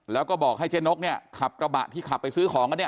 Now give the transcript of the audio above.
แล้วก็บอกให้เจ๊นกเนี่ยขับกระบะที่ขับไปซื้อของกันเนี่ย